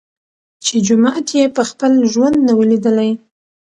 چي جومات یې په خپل ژوند نه وو لیدلی